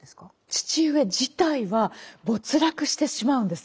父上自体は没落してしまうんです。